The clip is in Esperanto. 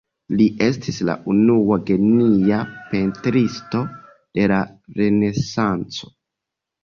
Li estis la unua genia pentristo de la Renesanco.